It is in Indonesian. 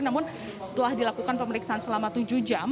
namun setelah dilakukan pemeriksaan selama tujuh jam